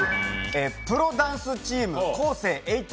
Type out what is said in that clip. プロダンスチームＫＯＳＥ８